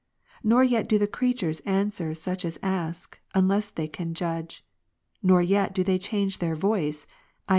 Nor yet do the creatures ^ answer such as ask, unless they can judge ; nor yet do they change their voice, (i.